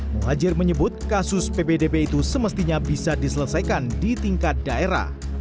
muhajir menyebut kasus ppdb itu semestinya bisa diselesaikan di tingkat daerah